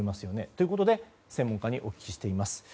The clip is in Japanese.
ということで専門家にお聞きしています。